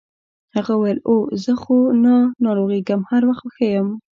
هغه وویل اوه زه خو نه ناروغیږم هر وخت ښه یم.